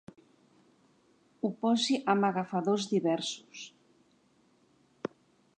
Ho posi amb agafadors diversos.